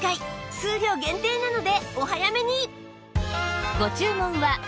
数量限定なのでお早めに！